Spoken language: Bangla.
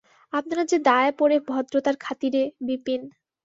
আপনারা যে দায়ে পড়ে ভদ্রতার খাতিরে– বিপিন।